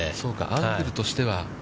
アングルとしては。